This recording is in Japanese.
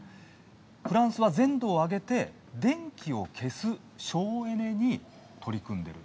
フランスは全土を挙げて電気を消す省エネに取り組んでいます。